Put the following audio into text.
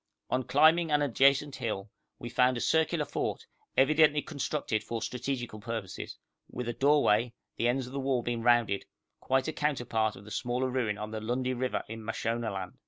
On climbing an adjacent hill we found a circular fort, evidently constructed for strategical purposes, with a doorway, the ends of the wall being rounded, quite a counterpart of the smaller ruin on the Lundi river in Mashonaland.